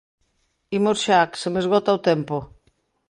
Imos xa, que se me esgota o tempo.